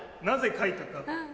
なぜ書いたか？